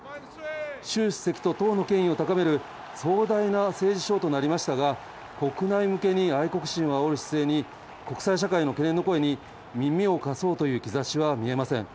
習主席と党の権威を高める壮大な政治ショーとなりましたが、国内向けに愛国心をあおる姿勢に、国際社会の懸念の声に、耳を貸そうという兆しは見えません。